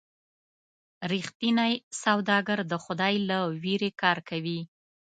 رښتینی سوداګر د خدای له ویرې کار کوي.